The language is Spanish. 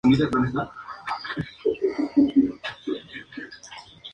Luego sería nombrado como embajador ante la Santa Sede durante esta misma administración.